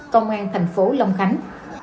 công an thành phố long khánh